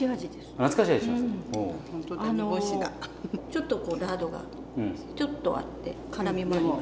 ちょっとこうラードがちょっとあってからみもあります。